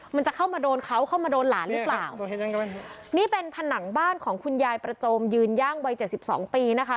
มันจะเข้ามาโดนเขาเข้ามาโดนหลานหรือเปล่านี่เป็นผนังบ้านของคุณยายประโจมยืนย่างวัยเจ็ดสิบสองปีนะคะ